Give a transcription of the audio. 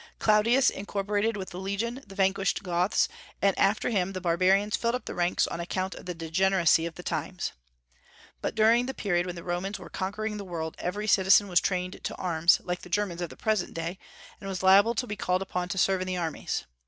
Claudius incorporated with the legion the vanquished Goths, and after him the barbarians filled up the ranks on account of the degeneracy of the times. But during the period when the Romans were conquering the world every citizen was trained to arms, like the Germans of the present day, and was liable to be called upon to serve in the armies.